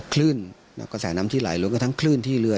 คลื่นแสนน้ำที่ไหลแล้วก็ทั้งคลื่นที่เรือ